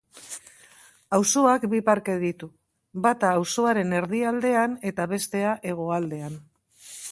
Auzoak bi parke ditu, bata auzoaren erdialdean, eta beste hegoaldean.